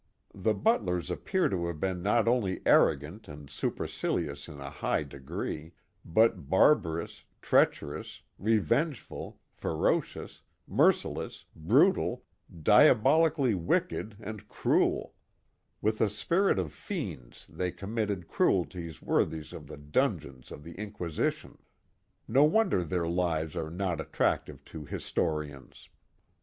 The Butlers appear to have been not only arrogant and supercilious in a high degree, but barbarous, treacherous, re vengeful, ferocious, merciless, brutal, diabolically wicked and cruel; with the spirit of fiends they committed cruelties worthy of the dungeons of the Inquisition. No wonder their lives are not attractive to historians.